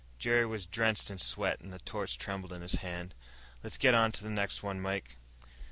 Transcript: Jerry was drenched in sweat and the torch trembled in his hand. "Let's get on to the next one, Mike."